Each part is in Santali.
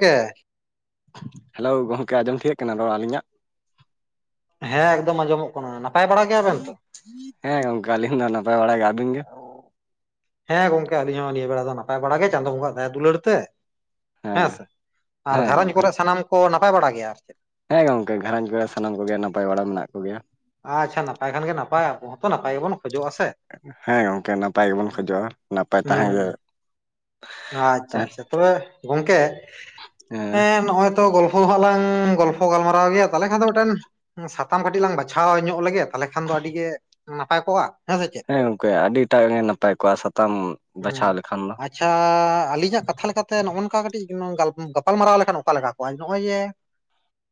ᱦᱮᱪᱮ [unintelligible] ᱦᱮᱞᱳ ᱜᱚᱢᱠᱮ ᱟᱸᱡᱚᱢ ᱴᱷᱤᱠᱟᱜ ᱠᱟᱱᱟ ᱨᱚᱲ ᱟᱹᱞᱤᱧᱟᱜ? ᱦᱮᱸ ᱮᱠᱫᱚᱢ ᱟᱸᱡᱚᱢᱚᱜ ᱠᱟᱱᱟ ᱾ ᱱᱟᱯᱟᱭ ᱵᱟᱲᱟ ᱜᱮᱭᱟᱵᱮᱱ ᱛᱚ? ᱦᱮᱸ ᱜᱚᱝᱠᱮ ᱟᱹᱞᱤᱧ ᱦᱚᱸ ᱱᱟᱯᱟᱭ ᱵᱟᱲᱟ ᱜᱮᱭᱟ ᱾ ᱟᱵᱤᱱ ᱜᱮ? ᱦᱮᱸ ᱜᱚᱝᱠᱮ ᱟᱞᱤᱧ ᱦᱚᱸ ᱱᱤᱭᱟᱹ ᱵᱮᱲᱟ ᱫᱚ ᱱᱟᱯᱟᱭ ᱵᱟᱲᱟ ᱜᱮ ᱪᱟᱸᱫᱚ ᱵᱚᱸᱜᱟ ᱦᱟᱜ ᱫᱟᱭᱟ ᱫᱩᱞᱟᱹᱲ ᱛᱮ ᱾ ᱦᱮᱸ ᱥᱮ, ᱟᱨ ᱦᱮᱸ ᱜᱷᱟᱨᱚᱧᱡᱽ ᱜᱚᱝᱠᱮ ᱠᱚᱨᱮ ᱥᱟᱱᱟᱢ ᱠᱚ ᱱᱟᱯᱟᱭ ᱵᱟᱲᱟ ᱜᱮᱭᱟ ᱟᱨ ᱪᱮᱫ? ᱦᱮᱸ ᱜᱚᱝᱠᱮ ᱜᱷᱟᱨᱚᱡᱽ ᱠᱚᱨᱮ ᱥᱟᱱᱟᱢ ᱠᱚᱜᱮ ᱱᱟᱯᱟᱭ ᱵᱟᱲᱟ ᱢᱮᱱᱟᱜ ᱠᱚ ᱜᱮᱭᱟ ᱾ ᱟᱪᱪᱷᱟ ᱱᱟᱯᱟᱭ ᱠᱷᱟᱱ ᱜᱮ ᱱᱟᱯᱟᱭ, ᱟᱵᱚ ᱦᱚᱸ ᱛᱚ ᱱᱟᱯᱟᱭ ᱜᱮᱵᱚᱱ ᱠᱷᱚᱡᱚᱜᱼᱟ ᱥᱮ ᱾ ᱦᱮᱸ ᱜᱚᱢᱠᱮ ᱱᱟᱯᱟᱭ ᱜᱮᱵᱚᱱ ᱠᱷᱚᱡᱚᱜᱼᱟ, ᱱᱟᱯᱟᱭ ᱛᱟᱦᱮᱸ ᱦᱩᱸ ᱜᱮ ᱾ ᱟᱪᱪᱷᱟ ᱟᱪᱪᱷᱟ, ᱛᱚᱵᱮ ᱜᱚᱝᱠᱮ ᱦᱮᱸ ᱱᱚᱜᱼᱚᱭᱼᱼ ᱜᱚᱞᱯᱷᱚ ᱫᱚᱞᱟᱝ ᱜᱚᱞᱯᱷᱚ ᱜᱟᱞᱢᱟᱨᱟᱣ ᱜᱮᱭᱟ, ᱛᱟᱦᱚᱞᱮ ᱠᱷᱟᱱ ᱫᱚ ᱢᱤᱫᱴᱮᱱᱼᱼ ᱥᱟᱛᱟᱢ ᱠᱟᱹᱴᱤᱡ ᱞᱟᱝ ᱵᱟᱪᱷᱟᱣ ᱧᱚᱜ ᱞᱮᱜᱮ, ᱛᱟᱦᱚᱞᱮ ᱠᱷᱟᱱ ᱫᱚ ᱟᱹᱰᱤ ᱜᱮ ᱱᱟᱯᱟᱭ ᱠᱚᱜᱼᱟ ᱾ ᱦᱮᱸ ᱜᱚᱝᱠᱮ ᱟᱹᱰᱤ ᱴᱟᱜ ᱜᱮ ᱱᱟᱯᱟᱭ ᱠᱚᱜᱼᱟ, ᱥᱟᱛᱟᱢ ᱵᱟᱪᱷᱟᱣ ᱞᱮᱠᱷᱟᱱ ᱫᱚ ᱾ ᱛᱚ [unintelligible] ᱟᱞᱤᱧᱟᱜ ᱠᱟᱛᱷᱟ ᱞᱮᱠᱟᱛᱮ ᱱᱚᱜᱼᱚᱭ ᱱᱚᱝᱠᱟ ᱠᱟᱹᱴᱤᱡ ᱜᱟᱯᱟᱞᱢᱟᱨᱟᱣ ᱞᱮᱠᱷᱟᱱ ᱚᱠᱟ ᱞᱮᱠᱟ ᱠᱚᱜᱼᱟ ᱾ ᱱᱚᱜᱼᱚᱭ ᱡᱮᱼᱼ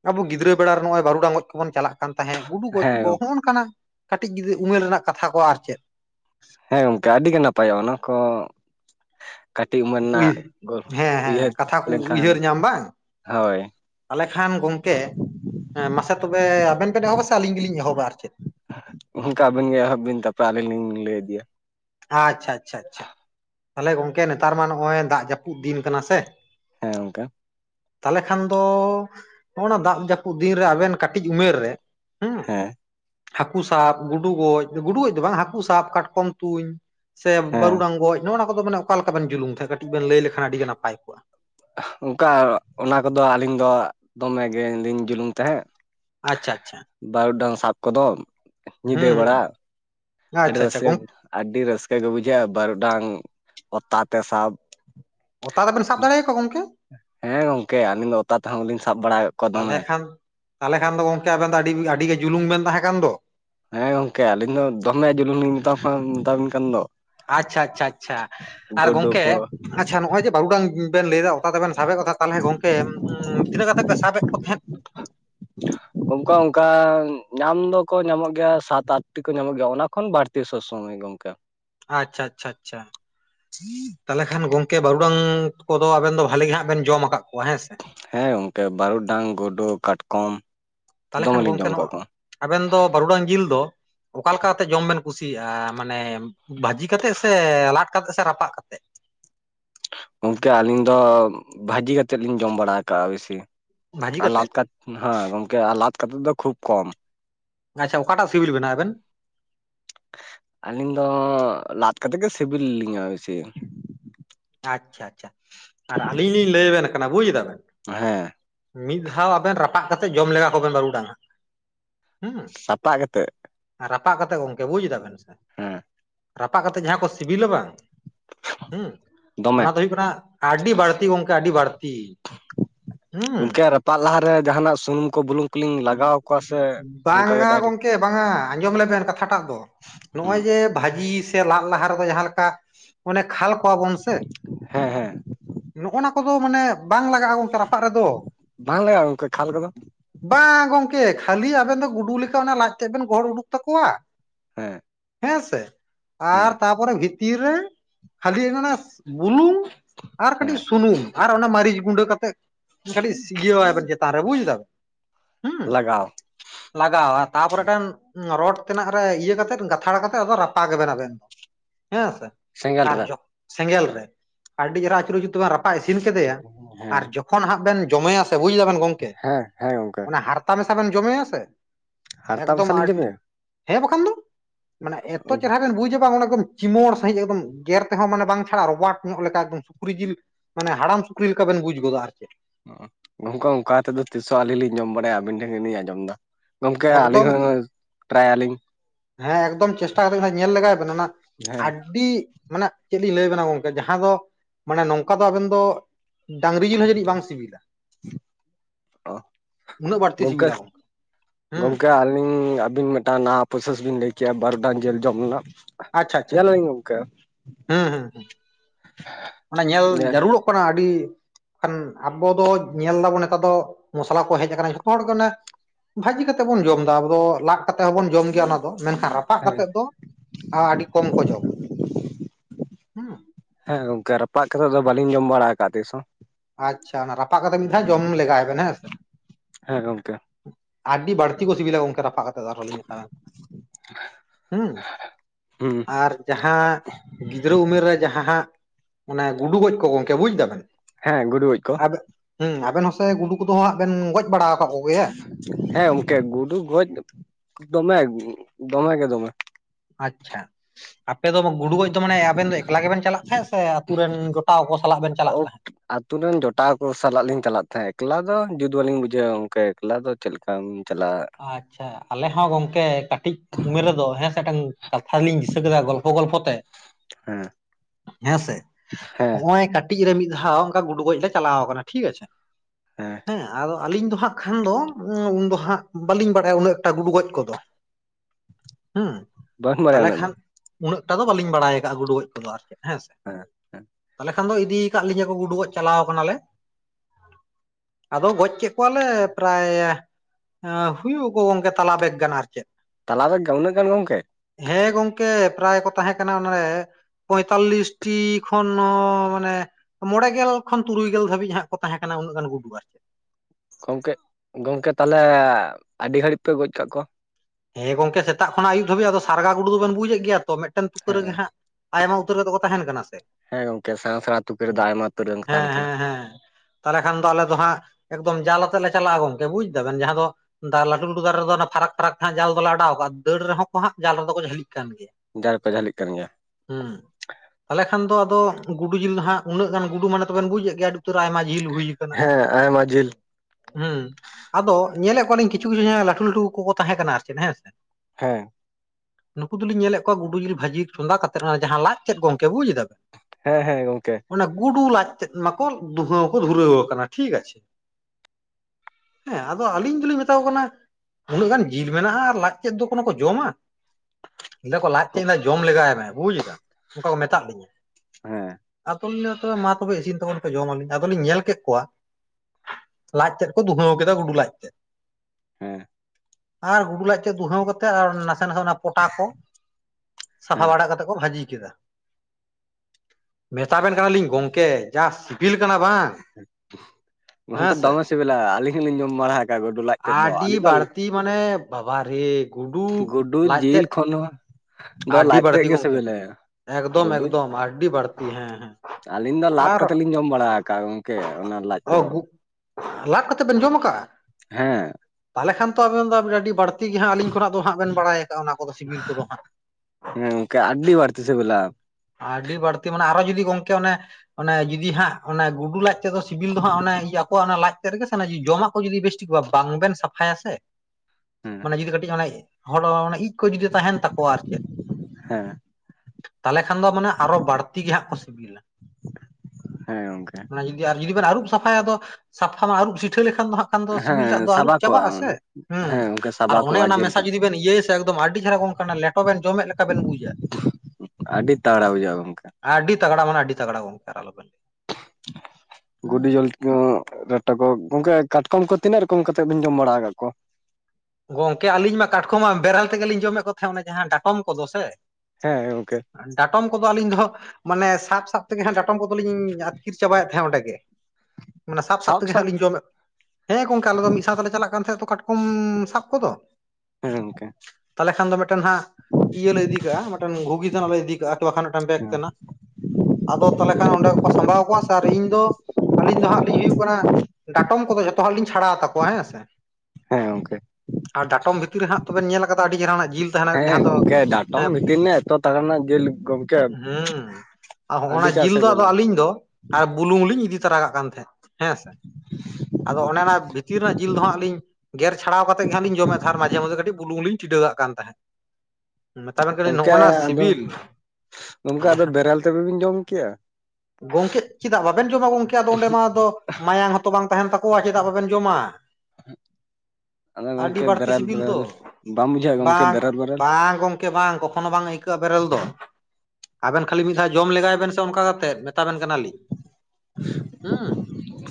ᱟᱵᱚ ᱜᱤᱫᱽᱟᱹ ᱵᱮᱲᱟ ᱨᱮ ᱱᱚᱜᱼᱚᱭ ᱵᱟᱨᱩᱜᱰᱟᱝ ᱜᱚᱡ ᱠᱚᱵᱚᱱ ᱪᱟᱞᱟᱜ ᱾ ᱠᱟᱱ ᱛᱟᱦᱮᱸᱫ ᱜᱩᱰᱩ ᱜᱚᱡ ᱦᱮᱸ ᱠᱚ ᱜᱚᱝᱠᱮ ᱦᱚᱜᱼᱚᱭ ᱚᱱᱠᱟ ᱱᱟᱜ ᱠᱟᱹᱴᱤᱡ ᱜᱤᱫᱽᱨᱟᱹ ᱩᱢᱮᱨ ᱨᱮᱱᱟᱜ ᱠᱟᱛᱷᱟ ᱠᱚ ᱟᱨ ᱪᱮᱫ ᱾ ᱦᱮᱸ ᱜᱚᱝᱠᱮ ᱟᱹᱰᱤ ᱜᱮ ᱱᱟᱯᱟᱭᱚᱜᱼᱟ, ᱚᱱᱟ ᱠᱚᱼᱼ ᱠᱟᱹᱴᱤᱡ ᱩᱢᱮᱨ ᱩᱭ ᱨᱮᱱᱟᱜ ᱦᱮᱸ ᱦᱮᱸ ᱩᱭᱦᱟᱹᱨ ᱠᱟᱛᱷᱟ ᱠᱚ ᱞᱮᱱᱠᱷᱟᱱ ᱩᱭᱦᱟᱹᱨ ᱧᱟᱢ ᱵᱟᱝ ᱦᱳᱭ ᱾ ᱛᱟᱦᱚᱞᱮ ᱠᱷᱟᱱ ᱜᱚᱝᱠᱮ, ᱢᱟᱥᱮ ᱛᱚᱵᱮ ᱟᱵᱮᱱ ᱵᱮᱱ ᱮᱦᱚᱵᱟ ᱥᱮ ᱟᱹᱞᱤᱧ ᱜᱮ ᱞᱤᱧ ᱮᱦᱚᱵᱟ ᱟᱨ ᱪᱮᱫ ᱾ ᱜᱚᱢᱠᱮ ᱟᱹᱵᱤᱱ ᱜᱮ ᱮᱦᱚᱵ ᱵᱤᱱ, ᱛᱟᱯᱚᱨᱮ ᱟᱹᱞᱤᱧ ᱞᱤᱧ ᱞᱟᱹᱭ ᱤᱫᱤᱭᱟ ᱾ ᱟᱪᱪᱷᱟ ᱟᱪᱪᱷᱟ ᱟᱪᱪᱷᱟ, ᱛᱟᱦᱚᱞᱮ ᱜᱚᱝᱠᱮ ᱱᱮᱛᱟᱨ ᱢᱟ ᱱᱚᱜᱼᱚᱭ ᱫᱟᱜ ᱡᱟᱹᱯᱩᱫ ᱫᱤᱱ ᱠᱟᱱᱟ ᱥᱮ ᱾ ᱦᱮᱸ ᱜᱚᱱᱠᱮ ᱾ ᱛᱟᱦᱚᱞᱮ ᱠᱷᱟᱱ ᱫᱚ ᱱᱚᱜ ᱱᱟ ᱫᱟᱜ ᱡᱟᱹᱯᱩᱫ ᱫᱤᱱ ᱨᱮ ᱟᱵᱮᱱ ᱠᱟᱹᱴᱤᱡ ᱩᱢᱮᱨ ᱨᱮᱼᱼ ᱦᱩᱸ ᱦᱮᱸ ᱦᱟᱹᱠᱩ ᱥᱟᱵ ᱜᱩᱰᱩᱩ ᱜᱚᱡ ᱜᱩᱰᱩ ᱜᱚᱡ ᱫᱚ ᱵᱟᱝᱟ, ᱦᱟᱹᱠᱩ ᱥᱟᱵ ᱠᱟᱴᱠᱚᱢᱼᱼ ᱛᱩᱧ, ᱥᱮ ᱦᱮᱸ ᱵᱟᱹᱨᱩᱰᱟᱝ ᱜᱚᱡ, ᱱᱚᱜᱼᱚᱭ ᱱᱚᱣᱟ ᱠᱚ ᱫᱚ ᱢᱟᱱᱮ ᱚᱠᱟ ᱞᱮᱠᱟ ᱵᱮᱱ ᱡᱩᱞᱩᱝ ᱛᱟᱦᱮᱸᱜ ᱠᱟᱹᱴᱤᱡ ᱵᱮᱱ ᱞᱟᱹᱭ ᱞᱮᱠᱷᱟᱱ ᱟᱹᱰᱤ ᱜᱮ ᱱᱟᱯᱟᱭ ᱠᱚᱜᱼᱟ ᱾ ᱚᱱᱠᱟ ᱚᱱᱟ ᱠᱚᱫᱚ ᱟᱹᱞᱤᱧ ᱫᱚ ᱫᱚᱢᱮ ᱜᱮ ᱞᱤᱧ ᱡᱩᱞᱩᱝ ᱛᱟᱦᱮᱸᱫ ᱟᱪᱪᱷᱟ ᱟᱪᱪᱷᱟ ᱾ ᱵᱟᱹᱨᱩᱰᱟᱝ ᱥᱟᱵ ᱠᱚᱫᱚ ᱧᱤᱫᱟᱹ ᱦᱩᱸ ᱦᱩᱸ ᱵᱮᱲᱟ ᱾ ᱟᱹᱰᱤ ᱟᱪᱪᱷᱟ ᱟᱪᱪᱷᱟ ᱨᱟᱹᱥᱠᱟᱹ, ᱜᱚᱝ ᱟᱹᱰᱤ ᱨᱟᱹᱥᱠᱟᱹ ᱜᱮ ᱵᱩᱡᱷᱟᱹᱜᱼᱟ ᱵᱟᱨᱩᱰᱟᱝ ᱚᱛᱟ ᱛᱮ ᱥᱟᱵ ᱾ ᱚᱛᱟ ᱛᱮᱵᱮᱱ ᱥᱟᱵ ᱫᱟᱲᱮ ᱭᱟᱠᱚᱣᱟ ᱜᱚᱢᱠᱮ ᱾ ᱦᱮᱸ ᱜᱚᱝᱠᱮ ᱟᱹᱞᱤᱧ ᱫᱚ ᱚᱛᱟ ᱛᱮᱦᱚᱸ ᱞᱤᱧ ᱥᱟᱵ ᱵᱟᱲᱟ ᱟᱠᱟᱫ ᱠᱚᱣᱟ ᱛᱟᱦᱚᱞᱮ ᱫᱚᱢᱮ ᱾ ᱠᱷᱟᱱ ᱛᱟᱦᱚᱞᱮ ᱠᱷᱟᱱ ᱫᱚ ᱜᱚᱝᱠᱮ ᱟᱵᱮᱱ ᱫᱚ ᱟᱹᱰᱤ, ᱟᱹᱰᱤ ᱜᱮ ᱡᱩᱞᱩᱝ ᱵᱮᱱ ᱛᱟᱦᱮᱸ ᱠᱟᱱ ᱫᱚ ᱾ ᱦᱮᱸ ᱜᱚᱝᱠᱮ ᱟᱹᱞᱤᱧ ᱫᱚ ᱫᱚᱢᱮ ᱡᱩᱞᱩᱝ ᱞᱤᱧ ᱢᱮᱛᱟ ᱢᱮᱛᱟ ᱵᱤᱱ ᱠᱟᱱ ᱫᱚ ᱾ ᱟᱪᱪᱷᱟ ᱟᱪᱪᱷᱟ ᱟᱪᱪᱷᱟ, ᱟᱨ ᱜᱚᱝᱠᱮ ᱠᱚ ᱟᱪᱪᱷᱟ ᱱᱚᱜᱼᱚᱭ ᱡᱮᱼᱼ ᱜᱚᱝᱠᱮ ᱵᱮᱱ ᱞᱟᱹᱭ ᱮᱫᱟ ᱚᱛᱟ ᱛᱮᱵᱮᱱ ᱥᱟᱵᱮᱫ ᱠᱚ ᱛᱟᱦᱚᱞᱮ ᱜᱚᱝᱠᱮ ᱛᱤᱱᱟᱹᱜ ᱠᱟᱛᱮ ᱯᱮ ᱥᱟᱵᱮᱫ ᱠᱚ ᱛᱟᱦᱮᱸᱫ ᱾ [inaudible] ᱚᱱᱠᱟ ᱚᱱᱠᱟ ᱧᱟᱢ ᱫᱚᱠᱚ ᱧᱟᱢᱚᱜ ᱜᱮᱭᱟ ᱥᱟᱛ ᱟᱴᱴᱤ ᱠᱚ ᱧᱟᱢᱚᱜ ᱜᱮᱭᱟ ᱚᱱᱟ ᱠᱷᱚᱱ ᱵᱟᱹᱲᱼᱼ ᱛᱤᱥᱚᱜ ᱥᱚᱢᱚᱭ ᱜᱚᱝᱠᱮ ᱾ ᱟᱪᱪᱷᱟ ᱟᱪᱪᱷᱟ ᱟᱪᱪᱷᱟ ᱾ ᱛᱟᱦᱞᱮ ᱠᱷᱟᱱ ᱜᱚᱝᱠᱮ ᱵᱟᱹᱨᱩᱰᱟᱝ ᱠᱚᱫᱚ ᱟᱵᱮᱱ ᱫᱚ ᱵᱷᱟᱞᱮ ᱜᱮ ᱦᱟᱸᱜ ᱵᱮᱱ ᱡᱚᱢ ᱠᱟᱫ ᱠᱚᱣᱟ ᱦᱮᱸ ᱥᱮ? ᱦᱮᱸ ᱜᱚᱝᱠᱮ ᱵᱟᱨᱩᱰᱟᱝ ᱜᱳᱰᱳ ᱠᱟᱴᱠᱚᱢ, ᱛᱟᱦᱞᱮ ᱠᱷᱟᱱ ᱫᱚᱢᱮᱞᱤᱧ ᱜᱚᱝᱠᱮ ᱡᱚᱢ ᱱᱚᱣᱟ ᱠᱟᱜ ᱠᱚᱣᱟ ᱟᱵᱮᱱ ᱫᱚ ᱵᱟᱹᱨᱩᱰᱟᱝ ᱡᱤᱞ ᱫᱚᱼᱼ ᱚᱠᱟᱞᱮᱠᱟ ᱠᱟᱛᱮᱜ ᱡᱚᱢ ᱵᱮᱱ ᱠᱩᱥᱤᱭᱟᱜᱼᱟ ᱢᱟᱱᱮ ᱵᱷᱟᱹᱡᱤ ᱠᱟᱛᱮᱜ ᱥᱮ ᱞᱟᱫ ᱠᱟᱛᱮᱜ ᱥᱮ ᱨᱟᱯᱟᱜ ᱠᱟᱛᱮᱜ᱾ ᱜᱚᱝᱠᱮ ᱟᱹᱞᱤᱧ ᱫᱚ ᱵᱷᱟᱹᱡᱤ ᱠᱟᱛᱮᱫ ᱞᱤᱧ ᱡᱚᱢ ᱵᱟᱲᱟᱣ ᱠᱟᱜᱼᱟ ᱵᱮᱥᱤ ᱵᱷᱟᱹᱡᱤ ᱟᱨ ᱠᱟᱛᱮ ᱞᱟᱛᱼᱼ ᱦᱮᱸ ᱜᱚᱝᱠᱮ ᱟᱨ ᱞᱟᱫ ᱠᱟᱛᱮᱫ ᱫᱚ ᱠᱷᱩᱵ ᱠᱚᱢ᱾ ᱟᱪᱪᱷᱟ ᱚᱠᱟᱴᱟᱜ ᱥᱤᱵᱤᱞ ᱵᱮᱱᱟ ᱟᱵᱮᱱ? ᱟᱹᱞᱤᱧ ᱫᱚ ᱞᱟᱫ ᱠᱟᱛᱮᱫ ᱜᱮ ᱥᱤᱵᱤᱞ ᱞᱤᱧᱟ. ᱵᱮᱥᱤ᱾ ᱟᱪᱪᱷᱟ ᱟᱪᱪᱷᱟ ᱟᱨ ᱟᱹᱞᱤᱧ ᱞᱤᱧ ᱞᱟᱹᱭ ᱟᱵᱮᱱ ᱠᱟᱱᱟ ᱵᱩᱡ ᱮᱫᱟ ᱵᱮᱱ᱾ ᱦᱮᱸ ᱢᱤᱫ ᱫᱷᱟᱣ ᱟᱵᱮᱱ ᱨᱟᱯᱟᱜ ᱠᱟᱛᱮᱫ ᱡᱚᱢ ᱞᱮᱜᱟ ᱠᱚᱵᱮᱱ ᱵᱟᱹᱨᱩᱰᱟᱝ ᱦᱟᱸᱜ ᱦᱩᱸ᱾ ᱨᱟᱯᱟᱜ ᱠᱟᱛᱮᱫ᱾ ᱨᱟᱯᱟᱜ ᱠᱟᱛᱮᱫ ᱜᱚᱢᱠᱮ ᱵᱩᱡᱽ ᱫᱟᱵᱮᱱ ᱥᱮ᱾ ᱦᱮᱸ ᱨᱟᱯᱟᱜ ᱠᱟᱛᱮᱜ ᱡᱟᱦᱟᱸ ᱠᱚ ᱥᱤᱵᱤᱞᱟ ᱵᱟᱝ ᱦᱩᱸ᱾ ᱫᱚᱢᱮ ᱚᱱᱟ ᱫᱚ ᱦᱩᱭᱩᱜ ᱠᱟᱱᱟ ᱟᱰᱤ ᱵᱟᱹᱲᱛᱤ ᱜᱚᱝᱠᱮ ᱟᱰᱤ ᱵᱟᱹᱲᱛᱤ᱾ ᱦᱩᱸ ᱜᱚᱝᱠᱮ ᱨᱟᱯᱟᱜ ᱞᱟᱦᱟᱨᱮ ᱡᱟᱦᱟᱱᱟᱜ ᱥᱩᱱᱩᱢ ᱠᱚ ᱵᱩᱞᱩᱝ ᱠᱚᱞᱤᱧ ᱞᱟᱜᱟᱣᱟᱠᱚᱣᱟ ᱥᱮ ᱚᱱᱠᱟᱼᱼ ᱵᱟᱝᱟ ᱜᱚᱝᱠᱮ ᱵᱟᱝᱟ ᱟᱸᱡᱚᱢ ᱞᱮᱵᱮᱱ ᱠᱟᱛᱷᱟᱴᱟᱜ ᱫᱚ᱾ ᱱᱚᱜᱼᱚᱭ ᱦᱩᱸ ᱡᱮ ᱵᱷᱟᱹᱡᱤ ᱥᱮ ᱞᱟᱫ ᱞᱟᱦᱟ ᱨᱮᱫᱚ ᱡᱟᱦᱟᱸ ᱞᱮᱠᱟ ᱚᱱᱮ ᱠᱷᱟᱞ ᱠᱚᱣᱟ ᱵᱚᱱ ᱥᱮ, ᱦᱮᱸ ᱦᱮᱸ᱾ ᱱᱚᱜᱼᱚᱱᱟ ᱠᱚᱫᱚ ᱢᱟᱱᱮ ᱵᱟᱝ ᱞᱟᱜᱟᱜᱼᱟ ᱜᱚᱝᱠᱮᱼᱼ ᱵᱟᱝ ᱞᱟᱜᱟᱜᱼᱟ ᱜᱚᱝᱠᱮ ᱠᱷᱟᱞ ᱠᱚᱫᱚ᱾ ᱵᱟᱝ ᱜᱚᱝᱠᱮ ᱠᱷᱟᱹᱞᱤ ᱟᱵᱮᱱ ᱫᱚ ᱜᱩᱰᱩ ᱞᱮᱠᱟ ᱚᱱᱟ ᱞᱟᱡ ᱛᱮᱫ ᱵᱮᱱ ᱜᱚᱦᱚᱲ ᱩᱰᱩᱠ ᱛᱟᱠᱚᱣᱟ᱾ ᱦᱮᱸ ᱦᱮᱸ ᱥᱮ ᱦᱮᱸ ᱟᱨ ᱛᱟᱯᱚᱨᱮ ᱵᱷᱤᱛᱤᱨ ᱨᱮ ᱠᱷᱟᱞᱤ ᱚᱱᱮ ᱚᱱᱟᱼᱼ ᱵᱩᱞᱩᱝ ᱟᱨ ᱠᱟᱹᱴᱤᱡ ᱦᱮᱸ ᱥᱩᱱᱩᱢ ᱟᱨ ᱚᱱᱟ ᱢᱟᱹᱨᱤᱪ ᱜᱩᱸᱰᱟᱹ ᱠᱟᱛᱮᱜ᱾ ᱠᱟᱴᱤᱡ ᱥᱤᱜᱤᱭᱟᱹᱣ ᱟᱭᱵᱮᱱ ᱪᱮᱛᱟᱱ ᱨᱮ ᱵᱩᱡ ᱫᱟᱵᱮᱱ᱾ ᱞᱟᱜᱟᱣ᱾ ᱞᱟᱜᱟᱣ ᱟᱨ ᱛᱟᱯᱚᱨᱮ ᱢᱤᱫᱴᱮᱱ ᱨᱚᱰ ᱛᱮᱱᱟᱜ ᱨᱮ ᱤᱭᱟᱹ ᱠᱟᱛᱮᱫ ᱜᱟᱛᱷᱟᱲ ᱠᱟᱛᱮᱜ ᱟᱫᱚ ᱨᱟᱯᱟᱜᱮᱵᱮᱱ ᱟᱵᱮᱱ᱾ ᱦᱮᱸ ᱥᱮ, ᱥᱮᱸᱜᱮᱞ ᱟᱨ ᱨᱮ ᱡᱚ ᱥᱮᱸᱜᱮᱞ ᱨᱮ ᱟᱹᱰᱤ ᱪᱮᱨᱟ ᱟᱹᱪᱩᱨ ᱟᱹᱪᱩᱨ ᱛᱮᱵᱮᱱ ᱨᱟᱯᱟᱜ ᱤᱥᱤᱱ ᱠᱮᱫᱮᱭᱟ ᱟᱨ ᱦᱮᱸ ᱡᱚᱼᱼ ᱡᱚᱠᱷᱚᱱ ᱦᱟᱸᱜ ᱵᱮᱱ ᱡᱚᱢᱮᱭᱟᱥᱮ ᱵᱩᱡ ᱫᱟᱵᱮᱱ ᱜᱚᱢᱠᱮ ᱦᱮᱸ ᱦᱮᱸ ᱜᱚᱝᱠᱮ ᱚᱱᱟ ᱦᱟᱨᱛᱟ ᱢᱮᱥᱟ ᱵᱮᱱ ᱡᱚᱢᱮᱭᱟ ᱥᱮᱼᱼ ᱦᱟᱨᱛᱟ ᱮᱠᱫᱚᱢ ᱢᱮᱥᱟ ᱞᱤᱧ ᱡᱚᱢᱮᱭᱟ ᱦᱮᱸ ᱵᱟᱠᱷᱟᱱ ᱫᱚ ᱢᱟᱱᱮ ᱮᱛᱚ ᱪᱮᱨᱦᱟ ᱵᱮᱱ ᱵᱩᱡᱟ ᱵᱟᱝ ᱮᱠᱫᱚᱢᱼᱼ ᱪᱤᱢᱚᱲ ᱥᱟᱺᱦᱤᱡ ᱮᱠᱫᱚᱢ ᱜᱮᱨ ᱛᱮᱦᱚᱸ ᱢᱟᱱᱮ ᱵᱟᱝ ᱪᱷᱟᱲᱟ ᱨᱚᱵᱟᱴᱼᱼ ᱧᱚᱜ ᱞᱮᱠᱟ ᱮᱠᱫᱚᱢ ᱥᱩᱠᱨᱤ ᱡᱤᱞ ᱢᱟᱱᱮ ᱦᱟᱲᱟᱢ ᱥᱩᱠᱨᱤ ᱞᱮᱠᱟ ᱵᱮᱱ ᱵᱩᱡ ᱜᱚᱫᱟ ᱟᱨ ᱪᱮᱫ᱾ ᱱᱚᱝᱠᱟ ᱚᱱᱠᱟᱛᱮᱫᱚ ᱛᱤᱥ ᱦᱚᱸ ᱟᱹᱞᱤᱧ ᱞᱤᱧ ᱡᱚᱢ ᱵᱟᱲᱟᱭᱟ ᱟᱹᱵᱤᱱ ᱴᱷᱮᱱ ᱜᱮᱞᱤᱧ ᱟᱸᱡᱚᱢᱫᱟ ᱜᱚᱝᱠᱮ ᱟᱞᱤᱧ ᱮᱠᱫᱚᱢ ᱦᱚᱸ ᱴᱨᱟᱭᱟᱞᱤᱧ᱾ ᱦᱮᱸ ᱮᱠᱫᱚᱢ ᱪᱮᱥᱴᱟ ᱠᱟᱛᱮ ᱵᱮᱱ ᱧᱮᱞ ᱞᱮᱜᱟᱭ ᱵᱮᱱ ᱚᱱᱟ ᱦᱮᱸ ᱟᱹᱰᱤ ᱢᱟᱱᱮ ᱪᱮᱫ ᱞᱤᱧ ᱞᱟᱹᱭ ᱵᱮᱱᱟ ᱜᱚᱝᱠᱮ ᱡᱟᱦᱟᱸ ᱫᱚ ᱢᱟᱱᱮ ᱱᱚᱝᱠᱟ ᱫᱚ ᱟᱵᱮᱱ ᱫᱚ᱾ ᱰᱟᱝᱨᱤ ᱡᱤᱞ ᱦᱚᱸ ᱡᱟᱹᱱᱤᱡ ᱵᱟᱝ ᱥᱤᱵᱤᱞᱟ ᱩᱱᱟᱹᱜ ᱵᱟᱹᱲᱛᱤ ᱜᱚᱢᱠᱮ ᱥᱤᱵᱤᱞᱟ ᱜᱚᱝᱠᱮ᱾ ᱦᱩᱸ ᱜᱚᱝᱠᱮ ᱟᱹᱞᱤᱧ ᱟᱹᱵᱤᱱ ᱢᱤᱫᱴᱟᱱ ᱱᱟᱣᱟ ᱯᱨᱚᱥᱮᱥ ᱵᱤᱱ ᱞᱟᱹᱭ ᱠᱮᱜᱼᱟ ᱵᱟᱨᱩᱰᱟᱝ ᱡᱮᱞ ᱡᱚᱢ ᱨᱮᱱᱟᱜ᱾ ᱟᱪᱪᱷᱟ ᱟᱪᱪᱷᱟ ᱟᱪᱪᱷᱟ ᱧᱮᱞᱵᱮᱱ ᱜᱚᱢᱠᱮ᱾ ᱚᱱᱮ ᱧᱮᱞ ᱡᱟᱹᱨᱩᱲᱚᱜ ᱠᱟᱱᱟ ᱟᱹᱰᱤᱼᱼ ᱠᱷᱟᱱ ᱟᱵᱚ ᱫᱚ ᱧᱮᱞ ᱫᱟᱵᱚᱱ ᱱᱮᱛᱟᱨ ᱫᱚ ᱢᱚᱥᱞᱟ ᱠᱚ ᱦᱮᱡ ᱟᱠᱟᱱᱟ ᱡᱷᱚᱛᱚ ᱦᱚᱲ ᱚᱱᱮᱼᱼ ᱵᱷᱟᱹᱡᱤ ᱠᱟᱛᱮ ᱵᱚᱱ ᱡᱚᱢ ᱫᱟ ᱟᱵᱚ ᱫᱚ ᱞᱟᱫ ᱠᱟᱛᱮ ᱦᱚᱸᱵᱚᱱ ᱡᱚᱢ ᱜᱮᱭᱟ ᱚᱱᱟ ᱫᱚ ᱢᱮᱱᱠᱷᱟᱱᱼᱼ ᱨᱟᱯᱟᱜ ᱦᱮᱸ ᱠᱟᱛᱮᱫ ᱫᱚ ᱟᱹᱰᱤ ᱠᱚᱢ ᱠᱚ ᱡᱚᱢᱟ ᱦᱩᱸ᱾ ᱦᱮᱸ ᱜᱚᱝᱠᱮ ᱨᱟᱯᱟᱜ ᱠᱟᱛᱮᱜ ᱫᱚ ᱵᱟᱹᱞᱤᱧ ᱡᱚᱢ ᱵᱟᱲᱟ ᱟᱠᱟᱫ ᱛᱤᱥ ᱦᱚᱸ᱾ ᱟᱪᱪᱷᱟ ᱚᱱᱟ ᱨᱟᱯᱟᱜ ᱠᱟᱛᱮᱜ ᱢᱤᱫ ᱫᱷᱟ. ᱣ ᱡᱚᱢ ᱞᱮᱜᱟᱭ ᱵᱤᱱ ᱦᱮᱸ ᱥᱮ᱾ ᱦᱮᱸ ᱜᱚᱝᱠᱮ᱾ ᱟᱰᱤ ᱵᱟᱹᱲᱛᱤ ᱠᱚ ᱥᱤᱵᱤᱞᱟ ᱜᱚᱝᱠᱮ ᱨᱟᱯᱟᱜ ᱠᱟᱛᱮᱫ ᱫᱚ ᱟᱨᱦᱚᱸ ᱞᱤᱧ ᱢᱮᱛᱟᱵᱤᱱ ᱠᱟᱱᱟ᱾ ᱦᱩᱸ ᱦᱩᱸ ᱟᱨᱼᱼᱼ ᱡᱟᱦᱟᱸ ᱜᱤᱫᱽᱨᱟᱹ ᱩᱢᱮᱨ ᱨᱮ ᱡᱟᱦᱟᱸ ᱦᱟᱸᱜ ᱚᱱᱟ ᱜᱩᱰᱩ ᱜᱚᱡ ᱠᱚ ᱜᱚᱝᱠᱮ ᱵᱩᱡ ᱮᱟᱫᱟ ᱵᱮᱱ᱾ ᱦᱮᱸ ᱜᱩᱰᱩ ᱜᱚᱡᱼᱼᱼ ᱦᱩᱸ ᱟᱵᱤᱱ ᱦᱚᱸ ᱥᱮ ᱜᱩᱰᱩ ᱠᱚᱫᱚ ᱦᱟᱸᱜ ᱵᱤᱱ ᱜᱚᱡ ᱵᱟᱲᱟᱣ ᱠᱟᱫ ᱠᱚᱼᱼᱼ ᱦᱮᱸ ᱜᱚᱝᱠᱮ ᱜᱩᱰᱩ ᱜᱚᱡ ᱫᱚᱢᱮ ᱫᱚᱢᱮ ᱜᱮ ᱫᱚᱢᱮ᱾ ᱟᱪᱪᱷᱟ᱾ ᱟᱯᱮ ᱫᱚ ᱜᱩᱰᱩ ᱜᱚᱡ ᱫᱚ ᱢᱟᱱᱮ ᱟᱵᱮᱱ ᱫᱚ ᱮᱠᱞᱟ ᱜᱮ ᱵᱤᱱ ᱪᱟᱞᱟᱜ ᱛᱟᱦᱮᱸᱜ ᱥᱮ ᱟᱛᱩ ᱨᱮᱱ ᱡᱚᱴᱟᱣ ᱠᱚ ᱥᱟᱞᱟᱜ ᱵᱤᱱ ᱪᱟᱞᱟᱜ ᱛᱟᱦᱮᱸᱫ? ᱟᱛᱩ ᱨᱮᱱ ᱡᱚᱴᱟᱣ ᱠᱚ ᱥᱟᱞᱟᱜ ᱞᱤᱧ ᱪᱟᱞᱟᱜ ᱛᱟᱦᱮᱸᱫ ᱮᱠᱞᱟ ᱫᱚ ᱡᱩᱛ ᱵᱟᱹᱞᱤᱧ ᱵᱩᱡᱷᱟᱹᱣᱟ ᱜᱚᱝᱠᱮ ᱮᱠᱞᱟ ᱫᱚ ᱪᱮᱫ ᱞᱮᱠᱟᱢ ᱪᱟᱞᱟᱜ ᱟ᱾ ᱟᱪᱪᱷᱟ ᱟᱞᱮ ᱦᱚᱸ ᱜᱚᱝᱠᱮ ᱠᱟᱹᱴᱤᱡ ᱩᱢᱮᱨ ᱨᱮᱫᱚ ᱦᱮᱸ ᱥᱮ ᱠᱟᱛᱷᱟ ᱞᱤᱧ ᱫᱤᱥᱟᱹ ᱠᱮᱫᱟ ᱜᱚᱞᱯᱷᱚ ᱜᱚᱞᱯᱷᱚ ᱛᱮ᱾ ᱦᱮᱸ ᱦᱮᱸ ᱥᱮ ᱦᱮᱸ ᱦᱚᱸᱚᱭ ᱠᱟᱛ ᱠᱟᱹᱴᱤᱡ ᱨᱮ ᱢᱤᱫ ᱫᱷᱟᱣ ᱚᱱᱠᱟ ᱜᱩᱰᱩ ᱜᱚᱡ ᱞᱮ ᱪᱟᱞᱟᱣ ᱥᱠᱟᱱᱟ ᱴᱷᱤᱠ ᱟᱪᱷᱮ ᱦᱮᱸ ᱟᱫᱚ ᱟᱹᱞᱤᱧ ᱫᱚ ᱦᱟᱸᱜ ᱠᱷᱟᱱ ᱫᱚ ᱩᱱ ᱫᱚ ᱦᱟᱸᱜ ᱵᱟᱹᱞᱤᱧ ᱵᱟᱲᱟᱭᱟ ᱩᱱᱟᱹᱜ ᱴᱟ ᱜᱩᱰᱩ ᱜᱚᱡ ᱠᱚᱫᱚ ᱦᱩᱸ ᱵᱟᱹᱧ ᱵᱟᱲᱟᱭᱟ ᱛᱟᱦᱞᱮ ᱩᱱᱟᱹᱜ ᱫᱚ ᱠᱷᱟᱱ ᱩᱱᱟᱹᱜ ᱴᱟ ᱫᱚ ᱵᱟᱹᱞᱤᱧ ᱵᱟᱲᱟᱭ ᱠᱟᱜᱼᱟ ᱜᱩᱰᱩ ᱜᱚᱡ ᱠᱚᱫᱚ ᱟᱨ ᱪᱮᱫ ᱦᱮᱸ ᱥᱮ ᱛᱟᱦᱞᱮ ᱠᱷᱟᱱ ᱫᱚ ᱤᱫᱤ ᱠᱟᱫ ᱞᱤᱧᱟᱹ ᱠᱚ ᱜᱩᱰᱩ ᱜᱚᱡ ᱪᱟᱞᱟᱣ ᱥᱠᱟᱱᱟ ᱞᱮ᱾ ᱟᱫᱚ ᱜᱚᱡ ᱠᱮᱫ ᱠᱚᱣᱟ ᱞᱮ ᱯᱨᱟᱭᱟ ᱦᱩᱭᱩᱜ-ᱟ ᱟᱠᱚ ᱜᱚᱝᱠᱮ ᱛᱟᱞᱟ ᱵᱮᱜᱽ ᱜᱟᱱ ᱟᱨ ᱪᱮᱫ᱾ ᱛᱟᱞᱟ ᱵᱮᱜᱽ ᱜᱟᱱ ᱩᱱᱟᱹᱜ ᱜᱟᱱ ᱜᱚᱝᱠᱮ? ᱦᱮᱸ ᱜᱚᱝᱠᱮ ᱯᱨᱟᱭ ᱠᱚ ᱛᱟᱦᱮᱸ ᱠᱟᱱᱟ ᱚᱱᱟᱨᱮ ᱯᱚᱭᱛᱟᱞᱤᱥ ᱴᱤ ᱠᱷᱚᱱ ᱦᱚᱸ ᱢᱟᱱᱮ ᱢᱚᱬᱮ ᱜᱮᱞ ᱠᱷᱚᱱ ᱛᱩᱨᱩᱭ ᱜᱮᱞ ᱫᱷᱟᱹᱵᱤᱡ ᱦᱟᱸᱜ ᱠᱚ ᱛᱟᱦᱮᱸ ᱠᱟᱱᱟ ᱩᱱᱟᱹᱜ ᱜᱟᱱ ᱜᱩᱰᱩ ᱟᱨ ᱪᱮᱫ᱾ ᱜᱚᱝᱠᱮ ᱜᱚᱝᱠᱮ ᱛᱟᱦᱞᱮ ᱟᱹᱰᱤ ᱜᱷᱟᱹᱲᱤᱡ ᱯᱮ ᱜᱚᱡ ᱠᱟᱜ ᱠᱚᱣᱟ? ᱦᱮᱸ ᱜᱚᱝᱠᱮ ᱥᱮᱛᱟᱜ ᱠᱷᱚᱱᱟᱜ ᱟᱹᱭᱩᱵ ᱫᱷᱟᱹᱵᱤᱡ ᱟᱫᱚ ᱥᱟᱨᱜᱟ ᱜᱩᱰᱩ ᱫᱚᱵᱤᱱ ᱵᱩᱡᱮᱫ ᱜᱮᱭᱟ ᱛᱚ ᱢᱤᱫᱴᱟᱱ ᱛᱩᱠᱟᱹ ᱨᱮ ᱦᱮᱸ ᱦᱟᱸᱜ᱾ ᱟᱭᱢᱟ ᱩᱛᱟᱹᱨ ᱠᱟᱛᱮ ᱠᱚ ᱛᱟᱦᱮᱱ ᱠᱟᱱᱟ ᱥᱮ᱾ ᱦᱮᱸ ᱜᱚᱝᱠᱮ ᱥᱮᱸᱲᱟ ᱥᱮᱸᱲᱟ ᱛᱩᱠᱟ. ᱨᱮᱫᱚ ᱟᱭᱢᱟ ᱩᱛᱟ. ᱛ ᱜᱮ ᱛᱟᱸᱦᱮ ᱠᱟᱱᱟ᱾ ᱦᱮᱸ᱾ ᱛᱟᱦᱞᱮ ᱠᱷᱟᱱ ᱫᱚ ᱟᱞᱮ ᱫᱚ ᱦᱟᱸᱜ ᱮᱠᱫᱚᱢ ᱡᱟᱞ ᱟᱛᱮᱜ ᱞᱮ ᱪᱟᱞᱟᱜᱼᱟ ᱜᱚᱝᱠᱮ ᱵᱩᱡ ᱫᱟ ᱵᱤᱱ ᱡᱟᱦᱟᱸ ᱫᱚ ᱞᱟᱹᱴᱩ ᱞᱟᱹᱴᱩ ᱫᱟᱨᱮ ᱨᱮᱫᱚ ᱯᱷᱟᱨᱟᱠ ᱯᱷᱟᱨᱟᱠ ᱦᱟᱸᱜ ᱡᱟᱞ ᱫᱚᱞᱮ ᱚᱰᱟᱣ ᱠᱟᱜᱼᱟ ᱫᱟᱹᱲ ᱨᱮᱦᱚᱸ ᱠᱚ ᱦᱟᱸᱜ ᱡᱟᱞ ᱨᱮᱫᱚ ᱠᱚ ᱡᱷᱟᱹᱞᱤᱜ ᱠᱟᱱ ᱜᱮᱭᱟ᱾ ᱢᱟᱞ ᱨᱮᱠᱚ ᱡᱷᱟᱹᱞᱤᱜ ᱠᱟᱱ ᱜᱮᱭᱟ᱾ ᱦᱩᱸ᱾ ᱟᱯᱮ ᱴᱷᱮᱱ ᱫᱚ ᱟᱫᱚ ᱜᱩᱰᱩ ᱡᱤᱞ ᱦᱟᱸᱜ ᱩᱱᱟᱹᱜ ᱜᱟᱱ ᱜᱩᱰᱩ ᱢᱟᱱᱮ ᱫᱚᱵᱤᱱ ᱵᱩᱡᱮᱫ ᱜᱮᱭᱟ ᱟᱹᱰᱤ ᱩᱛᱟᱹᱨ ᱟᱭᱢᱟ ᱡᱤᱞ ᱦᱩᱭᱼᱟ᱾ ᱦᱮᱸ ᱟᱭᱢᱟ ᱡᱤᱞ᱾ ᱦᱩᱸ ᱟᱫᱚ ᱧᱮᱞᱮᱫ ᱠᱚᱣᱟ ᱞᱤᱧ ᱠᱤᱪᱷᱩ ᱠᱤᱪᱷᱩ ᱡᱟᱦᱟᱸ ᱞᱟᱹᱴᱩ ᱞᱟᱹᱴᱩ ᱠᱚ ᱠᱚ ᱛᱟᱦᱮᱸ ᱠᱟᱱᱟ ᱟᱨ ᱪᱮᱫ ᱦᱮᱸ ᱥᱮ᱾ ᱦᱮᱸ᱾ ᱱᱩᱠᱩ ᱫᱩᱞᱤᱧ ᱧᱮᱞᱮᱫ ᱠᱚᱣᱟ ᱜᱩᱰᱩ ᱡᱤᱞ ᱵᱷᱟᱹᱡᱤ ᱪᱚᱸᱫᱟ ᱠᱟᱛᱮᱫ ᱚᱱᱟ ᱡᱟᱦᱟᱸ ᱞᱟᱡ ᱛᱮᱫ ᱜᱚᱝᱠᱮ ᱵᱩᱡ ᱮᱫᱟ ᱵᱤᱱ᱾ ᱦᱮᱸ ᱦᱮᱸ ᱜᱚᱝᱠᱮ᱾ ᱚᱱᱟ ᱜᱩᱰᱩ ᱞᱟᱡ ᱛᱮᱫ ᱢᱟᱠᱚ ᱫᱷᱩᱦᱟᱹᱣ ᱠᱚ ᱫᱷᱩᱨᱟᱹᱣ ᱟᱠᱟᱱᱟ ᱴᱷᱤᱠ ᱟᱪᱷᱮ᱾ ᱦᱮᱸ ᱟᱫᱚ ᱟᱹᱞᱤᱧ ᱫᱩᱞᱤᱧ ᱢᱮᱛᱟ ᱠᱚ ᱠᱟᱱᱟ ᱩᱱᱟᱹᱜ ᱜᱟᱱ ᱡᱤᱞ ᱢᱮᱱᱟᱜᱼᱟ ᱟᱨ ᱞᱟᱡ ᱛᱮᱫ ᱫᱚ ᱠᱚᱱᱚ ᱠᱚ ᱡᱚᱢᱟ᱾ ᱫᱮᱠᱷᱚ ᱞᱟᱡ ᱛᱮ ᱡᱚᱢ ᱞᱮᱜᱟᱭ ᱢᱮ ᱵᱩᱡ ᱫᱟᱢ ᱚᱱᱠᱟ ᱠᱚ ᱢᱮᱛᱫ ᱞᱤᱧᱟᱹ᱾ ᱦᱮᱸᱻ ᱢᱟ ᱛᱚᱵᱮ ᱤᱥᱤᱱ ᱛᱟᱵᱚᱱ ᱯᱮ ᱡᱚᱢᱟ ᱞᱤᱧ ᱟᱫᱚ ᱞᱤᱧ ᱧᱮᱞ ᱠᱮᱫ ᱠᱚᱣᱟ᱾ ᱞᱟᱡ ᱛᱮᱫ ᱠᱚ ᱫᱷᱩᱦᱟᱹᱣ ᱠᱮᱫᱟ ᱜᱩᱰᱩ ᱞᱟᱡ ᱛᱮᱫ᱾ ᱦᱮᱸ ᱟᱨ ᱜᱩᱰᱩ ᱞᱟᱡ ᱛᱮᱜ ᱫᱷᱩᱦᱟᱹᱣ ᱠᱟᱛᱮᱜ ᱱᱟᱥᱮ-ᱱᱟᱥᱮ ᱚᱱᱟ ᱯᱚᱴᱟ ᱠᱚ᱾ ᱥᱟᱯᱷᱟ ᱦᱮᱸ᱾ ᱵᱟᱲᱟ ᱠᱟᱛᱮᱫ ᱠᱚ ᱵᱷᱟᱹᱡᱤ ᱠᱮᱫᱟ᱾ ᱢᱮᱛᱟ ᱵᱮᱱ ᱠᱟᱱᱟ ᱞᱤᱧ ᱜᱚᱝᱠᱮ, ᱡᱟ ᱥᱤᱵᱤᱞ ᱠᱟᱱᱟ ᱵᱟᱝ᱾ ᱦᱮᱸ ᱜᱚᱢᱠᱮ ᱥᱮ ᱫᱚᱢᱮ ᱥᱤᱵᱤᱞᱟ ᱟᱹᱞᱤᱧ ᱦᱚᱸᱞᱤᱧ ᱡᱚᱢ ᱵᱟᱲᱟ ᱟᱠᱟᱫ ᱜᱩᱰᱩ ᱞᱟᱡ ᱛᱮᱫ ᱫᱚ ᱟᱹᱰᱤ ᱟᱹᱞᱤᱧ ᱫᱚ ᱵᱟᱹᱲᱛᱤ ᱢᱟᱱᱮ ᱵᱟᱵᱟ ᱨᱮᱻ ᱜᱩᱰᱩ ᱜᱩᱰᱩ ᱞᱟᱡ ᱛᱮᱫ ᱡᱤᱞ ᱠᱷᱚᱱ ᱦᱚᱸ ᱫᱚ ᱟᱰᱤ ᱞᱟᱡ ᱛᱮᱫ ᱵᱟᱲᱛᱤ ᱜᱮ ᱜᱚᱢᱠᱮ ᱥᱤᱵᱤᱞᱟ ᱮᱠᱫᱚᱢ ᱜᱩᱰᱩ ᱮᱠᱫᱚᱢ ᱟᱰᱤ ᱵᱟᱲᱛᱤ ᱦᱮᱸᱻᱦᱮᱸ ᱟᱹᱞᱤᱧ ᱫᱚ ᱞᱟᱫ ᱠᱟᱛᱮᱫ ᱞᱤᱧ ᱡᱚᱢ ᱵᱟᱲᱟ ᱠᱟᱜᱼᱟ ᱜᱚᱢᱠᱮ ᱚᱱᱟ ᱞᱟᱡ ᱠᱚᱫᱚ ᱠᱟᱛᱮᱵᱮᱱ ᱡᱚᱢ ᱟᱠᱟᱜᱼᱟ ᱦᱮᱸ ᱛᱟᱦᱚᱞᱮ ᱠᱷᱟᱱ ᱟᱵᱮᱱ ᱫᱚ ᱟᱹᱰᱤ ᱵᱟᱹᱲᱛᱤ ᱜᱮ ᱦᱟᱸᱜ ᱟᱹᱞᱤᱧ ᱠᱷᱚᱱᱟᱜ ᱫᱚ ᱦᱟᱸᱜ ᱵᱮᱱ ᱵᱟᱲᱟᱭ ᱟᱠᱟᱜᱼᱟ ᱚᱱᱟ ᱠᱚᱫᱚ ᱥᱤᱵᱤᱞ ᱠᱚᱫᱚ ᱦᱟᱸᱜ ᱦᱮᱸ ᱜᱚᱝᱠᱮ ᱟᱹᱰᱤ ᱵᱟ. ᱲᱛᱤ ᱥᱤᱵᱤᱞᱟ᱾ ᱟᱹᱰᱤ ᱵᱟᱹᱲᱛᱤ ᱢᱟᱱᱮ ᱟᱨᱚ ᱡᱩᱫᱤ ᱜᱚᱝᱠᱮ ᱚᱱᱮ-ᱚᱱᱮ ᱡᱩᱫᱤ ᱦᱟᱸᱜ ᱚᱱᱮ ᱜᱩᱰᱩ ᱞᱟᱡ ᱫᱚ ᱥᱤᱵᱤᱞ ᱫᱚ ᱦᱟᱸᱜ ᱚᱱᱮ ᱤᱭᱟᱹ ᱟᱠᱚᱣᱟᱜ ᱚᱱᱟ ᱞᱟᱡ ᱛᱮᱫ ᱨᱮᱜᱮ ᱥᱮ ᱡᱚᱢᱟᱜ ᱠᱚ ᱡᱩᱤ ᱵᱮᱥ ᱴᱷᱤᱠ ᱵᱟᱝ ᱵᱮᱱ ᱥᱟᱯᱷᱟᱭᱟ ᱥᱮ ᱦᱮᱸ ᱢᱟᱱᱮ ᱡᱩᱫᱤ ᱠᱟᱹᱴᱤᱡ ᱚᱱᱮ ᱦᱳᱲᱳ ᱤᱡ ᱠᱚ ᱡᱩᱫᱤ ᱛᱟᱦᱮᱱ ᱛᱟᱠᱚᱣᱟ ᱟᱨ ᱪᱮᱫ ᱦᱮᱸ ᱛᱟᱦᱚᱞᱮ ᱠᱷᱟᱱ ᱫᱚ ᱟᱨᱚ ᱵᱟᱹᱲᱛᱤ ᱜᱮ ᱦᱟᱸᱜ ᱠᱚ ᱥᱤᱵᱤᱞᱟ ᱦᱮᱸ ᱜᱚᱝᱠᱮ ᱟᱨ ᱡᱩᱫᱤ ᱵᱮᱱ ᱟᱹᱨᱩᱵ ᱥᱟᱯᱷᱟᱭᱟ ᱟᱫᱚ ᱥᱟᱯᱷᱟ ᱢᱟ ᱟᱹᱨᱩᱵ ᱥᱤᱴᱷᱟᱹ ᱞᱮᱠᱷᱟᱱ ᱫᱚ ᱦᱟᱸᱜ ᱫᱚ ᱥᱤᱵᱤᱞ ᱴᱟᱜ ᱦᱮᱸ ᱫᱚ ᱟᱹᱨᱩᱵ ᱥᱟᱵᱟ ᱠᱚᱜᱼᱟ ᱪᱟᱵᱟᱜ ᱟᱥᱮ ᱦᱮᱸ ᱜᱚᱝᱠᱮ ᱟᱨ ᱥᱟᱵᱟ ᱚᱱᱮ ᱠᱚᱜᱼᱟ ᱚᱱᱟ ᱡᱤᱞ ᱢᱮᱥᱟ ᱫᱚ ᱡᱩᱫᱤ ᱵᱮᱱ ᱤᱭᱟᱹᱭᱟ ᱥᱮ ᱮᱠᱫᱚᱢ ᱟᱹᱰᱤ ᱪᱮᱦᱨᱟ ᱜᱚᱢᱠᱮ ᱚᱱᱟ ᱞᱮᱴᱚ ᱵᱮᱱ ᱡᱚᱢᱮᱫ ᱞᱮᱠᱟ ᱵᱮᱱ ᱵᱩᱡᱟ᱾ ᱟᱹᱰᱤ ᱛᱟᱜᱲᱟ ᱵᱩᱡᱷᱟᱹᱜᱼᱟ ᱜᱚᱝᱠᱮ ᱟᱹᱰᱤ ᱛᱟᱜᱲᱟ ᱢᱟᱱᱮ ᱟᱹᱰᱤ ᱛᱟᱜᱲᱟ ᱜᱚᱢᱠᱮ ᱟᱨ ᱟᱞᱚ ᱵᱮᱱ ᱞᱟ. ᱭᱟ᱾ ᱜᱩᱰᱤ ᱡᱚᱞ ᱨᱮᱴᱚ ᱠᱚ ᱜᱚᱝᱠᱮ ᱠᱟᱴᱠᱚᱢ ᱠᱚ ᱛᱤᱱᱟᱹᱜ ᱨᱚᱠᱚᱢ ᱠᱟᱛᱮᱫ ᱵᱤᱱ ᱡᱚᱢ ᱵᱟᱲᱟ ᱟᱠᱟᱜ ᱠᱚᱣᱟ? ᱜᱚᱝᱠᱮ ᱟᱹᱞᱤᱧ ᱢᱟ ᱠᱟᱴᱠᱚᱢ ᱢᱟ ᱵᱮᱨᱮᱞ ᱛᱮᱜᱮᱞᱤᱧ ᱡᱚᱢᱮᱫ ᱠᱚ ᱛᱟᱦᱮᱸ ᱚᱱᱮ ᱡᱟᱦᱟᱸ ᱰᱟᱴᱚᱢ ᱠᱚᱫᱚ ᱥᱮ ᱦᱮᱸ ᱜᱚᱢᱠᱮ ᱰᱟᱴᱚᱢ ᱠᱚᱫᱚ ᱟᱹᱞᱤᱧ ᱫᱚ ᱢᱟᱱᱮ ᱥᱟᱵ-ᱥᱟᱵ ᱛᱮᱜᱮ ᱦᱟᱜ ᱰᱟᱴᱚᱢ ᱰᱟᱴᱚᱢ ᱠᱚᱫᱚᱞᱤᱧ ᱟᱹᱛᱠᱤᱨ ᱪᱟᱵᱟᱭᱮᱫ ᱛᱟᱦᱮᱸᱫᱟ ᱚᱸᱰᱮ ᱜᱮ ᱢᱟᱱᱮ ᱥᱟᱵ-ᱥᱟᱵ ᱥᱟᱵ ᱛᱮᱜᱮ ᱥᱟᱵ ᱦᱟᱸᱜ ᱞᱤᱧ ᱡᱚᱢᱮᱫ ᱦᱮᱸ ᱜᱚᱢᱠᱮ ᱟᱞᱮ ᱫᱚ ᱢᱤᱫ ᱥᱟᱶ ᱛᱮᱞᱮ ᱪᱟᱞᱟᱜ ᱠᱟᱱ ᱛᱟᱦᱮᱸᱫ ᱛᱚ ᱠᱟᱴᱠᱚᱢ ᱥᱟᱵ ᱠᱚᱫᱚ ᱦᱮᱸ ᱜᱚᱝᱠᱮ ᱛᱟᱦᱚᱞᱮ ᱠᱷᱟᱱ ᱫᱚ ᱢᱤᱫᱴᱮᱱ ᱦᱟᱸᱜ ᱤᱭᱟᱹ ᱞᱮ ᱤᱫᱤ ᱠᱟᱜᱼᱟ ᱢᱤᱫᱴᱮᱱ ᱜᱷᱩᱜᱤ ᱛᱮᱱᱟᱜ ᱞᱮ ᱤᱫᱤ ᱠᱟᱜᱼᱟ ᱛᱚ ᱵᱟᱠᱷᱟᱱ ᱢᱤᱫᱴᱮᱱ ᱵᱮᱜᱽ ᱛᱟᱱᱟᱜ ᱟᱫᱚ ᱛᱟᱦᱚᱞᱮ ᱠᱷᱟᱱ ᱚᱸᱰᱮ ᱠᱚ ᱥᱟᱢᱵᱟᱣ ᱠᱚᱣᱟ ᱥᱮ ᱟᱨ ᱤᱧ ᱫᱚ ᱟᱹᱞᱤᱧ ᱫᱚ ᱦᱟᱸᱜ ᱞᱤᱧ ᱦᱩᱭᱩᱜ ᱠᱟᱱᱟ ᱰᱟᱴᱚᱢ ᱠᱚᱫᱚ ᱡᱷᱚᱛᱚ ᱦᱟᱜ ᱞᱤᱧ ᱪᱷᱟᱲᱟᱣ ᱛᱟᱠᱚᱣᱟ ᱦᱮᱸ ᱥᱮ ᱦᱮᱸ ᱜᱚᱝᱠᱮ ᱟᱨ ᱰᱟᱴᱚᱢ ᱵᱷᱤᱛᱤᱨ ᱨᱮ ᱦᱟᱸᱜ ᱛᱚᱵᱮᱱ ᱧᱮᱞ ᱠᱟᱫᱟ ᱟᱹᱰᱤ ᱪᱮᱦᱨᱟ ᱚᱱᱟ ᱡᱤᱞ ᱛᱟᱦᱮᱱᱟ ᱡᱟᱦᱟᱸ ᱫᱚ ᱮ ᱛᱚ ᱛᱟᱞᱟ ᱨᱮᱱᱟᱜ ᱡᱤᱞ ᱜᱚᱢᱠᱮ ᱱᱚᱜᱼ ᱚᱱᱟ ᱡᱤᱞ ᱫᱚ ᱟᱫᱚ ᱟᱹᱞᱤᱧ ᱫᱚ ᱵᱩᱞᱩᱝ ᱞᱤᱧ ᱤᱫᱤ ᱛᱚᱨᱟ ᱠᱟᱜ ᱠᱟᱱ ᱛᱟᱦᱮᱸᱫ ᱦᱮᱸᱥᱮ ᱟᱫᱚ ᱚᱱᱮ ᱚᱱᱟ ᱵᱷᱤᱛᱤᱨ ᱨᱮᱱᱟᱜ ᱡᱤᱞ ᱫᱚ ᱦᱟᱸᱜ ᱞᱤᱧ ᱜᱮᱨ ᱪᱷᱟᱲᱟᱣ ᱛᱮ ᱜᱮ ᱦᱟᱸᱜ ᱞᱤᱧ ᱡᱚᱢᱮᱫ ᱛᱟᱦᱮᱫ ᱟᱨ ᱢᱟᱡᱷᱮᱼᱢᱚᱡᱷᱮ ᱠᱟᱹᱴᱤᱡ ᱵᱩᱞᱩᱝ ᱞᱤᱧ ᱴᱤᱰᱟᱹᱜᱟᱜ ᱠᱟᱱ ᱛᱟᱦᱮᱸᱫ ᱢᱮᱛᱟᱵᱮᱱ ᱠᱟᱱᱟᱧ ᱱᱚᱜᱼ ᱜᱚᱝᱠᱮ ᱱᱟ ᱟᱫᱚ ᱥᱤᱵᱤᱞ ᱜᱚᱝᱠᱮ ᱟᱫᱚ ᱵᱮᱨᱮᱞ ᱛᱮᱜᱮᱵᱤᱱ ᱡᱚᱢ ᱠᱮᱜ-ᱟ? ᱜᱚᱢᱠᱮ ᱪᱮᱫᱟᱜ ᱵᱟᱵᱮᱱ ᱡᱚᱢᱟ ᱜᱚᱢᱠᱮ ᱟᱫᱚ ᱚᱸᱰᱮ ᱢᱟ ᱫᱚ ᱢᱟᱭᱟᱝ ᱦᱚᱸᱛᱚ ᱵᱟᱝ ᱛᱟᱦᱮᱱ ᱛᱟᱠᱚᱣᱟ ᱪᱮᱫᱟᱜ ᱵᱟᱹᱵᱮᱱ ᱡᱚᱢᱟ ᱾ ᱟᱫᱚ ᱜᱚᱝᱠᱮ ᱵᱟᱹᱲᱛᱤ ᱵᱮᱨᱮᱞ ᱥᱤᱵᱤᱞ ᱫᱚ ᱵᱮᱨᱮᱞ ᱵᱟᱢ ᱵᱩᱡᱷᱟᱹᱣᱟ ᱜᱚᱝᱠᱮ ᱵᱮᱨᱮᱞ ᱵᱮᱨᱮᱞ? ᱠᱮ ᱵᱟᱝ ᱠᱚᱠᱷᱚᱱ ᱦᱳ ᱵᱟᱝ ᱟᱹᱭᱠᱟᱹᱜᱼᱟ ᱵᱮᱨᱮᱞ ᱫᱚ, ᱟᱵᱮᱱ ᱠᱷᱟᱹᱞᱤ ᱢᱤᱫ ᱫᱷᱟᱣ ᱡᱚᱢ ᱞᱮᱜᱟᱭ ᱵᱮᱱ ᱥᱮ ᱚᱱᱠᱟ ᱠᱟᱛᱮᱫ ᱢᱮᱛᱟᱵᱮᱱ ᱠᱟᱱᱟᱞᱤᱧ, ᱦᱩᱸ